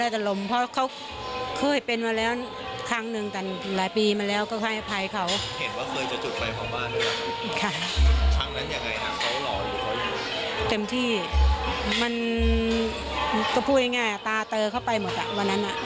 เต็มที่มันก็พูดง่ายตาเตอเข้าไปหมดอ่ะวันนั้น